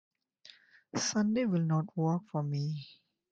Sunday will not work for me.